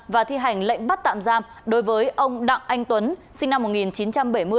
và thi hành lệnh bắt tạm giam đối với ông đặng anh tuấn sinh năm một nghìn chín trăm bảy mươi